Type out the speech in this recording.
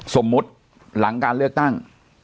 สมมุติหลังการเลือกตั้ง